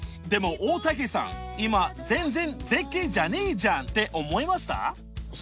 でも大竹さん今全然絶景じゃねえじゃんって思いました？